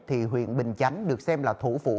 thì huyện bình chánh được xem là thủ phủ